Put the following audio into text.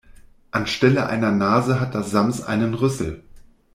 Anstelle einer Nase hat das Sams einen Rüssel.